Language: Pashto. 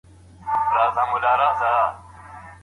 په کرکټ کي اسونه نه وي.